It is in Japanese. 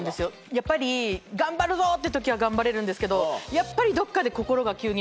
やっぱり頑張るぞ！っていう時は頑張れるんですけどやっぱりどっかで。